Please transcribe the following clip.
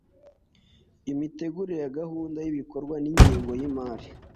Imitegurire ya gahunda y’ibikorwa n’ingengo y’imari